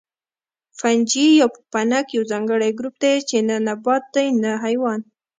فنجي یا پوپنک یو ځانګړی ګروپ دی چې نه نبات دی نه حیوان